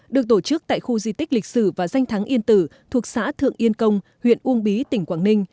được tổ chức tại khu di tích lịch sử và danh thắng yên tử thuộc xã thượng yên công huyện uông bí tỉnh quảng ninh